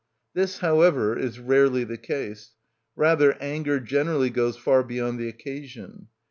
This, however, is rarely the case; rather, anger generally goes far beyond the occasion.